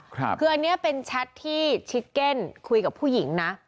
ครับคืออันเนี้ยเป็นแชทที่คุยกับผู้หญิงนะ